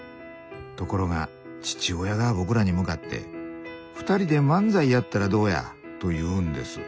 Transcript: ところが父親が僕らに向かって「２人で漫才やったらどうや？」と言うんです。